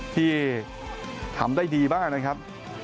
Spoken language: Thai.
ที่ทำได้ดีบ้างเลยครับ